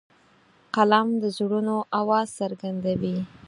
قلم د زړونو آواز څرګندوي